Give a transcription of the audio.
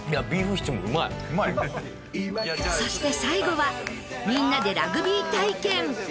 そして最後はみんなでラグビー体験！